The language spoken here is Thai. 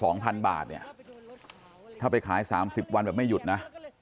วันละราว๒๐๐๐บาทเนี่ยถ้าไปขาย๓๐วันแบบไม่หยุดนะ